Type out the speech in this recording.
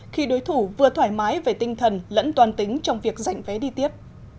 khi đối thủ vừa thoải mái về tinh thần lẫn toàn tính trong việc giành vé đi tiếp